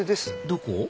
どこ？